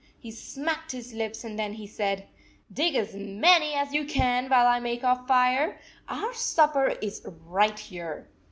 He smacked his lips, and then he said, " Dig as many as you can, while I make a fire. Our supper is right here."